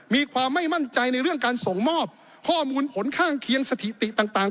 มีความไม่มั่นใจในเรื่องการส่งมอบข้อมูลผลข้างเคียงสถิติต่าง